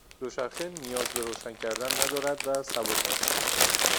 دوچرخه نیاز به روشن کردن ندارد و سبک است.